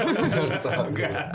bukan harus sholat